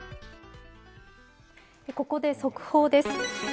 ここで速報です。